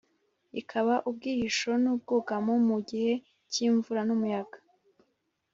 ikaba ubwihisho n’ubwugamo mu gihe cy’imvura n’umuyaga